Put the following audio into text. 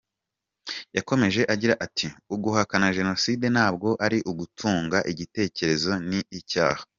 Yakomeje agira ati “Uguhakana Jenoside ntabwo ari ugutanga igitekerezo, ni icyaha.